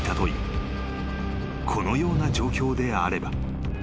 ［このような状況であれば］